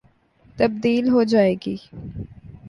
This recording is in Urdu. تبدیل ہو جائے گی۔